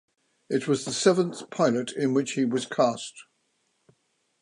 It was the seventh pilot in which he was cast.